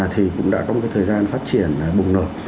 thì cũng đã có một thời gian phát triển bùng nổ